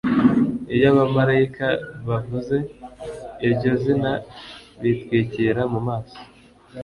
iyo abamarayika bavuze iryo zina bitwikira mu maso